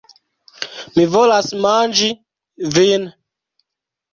Mi volas manĝi vin!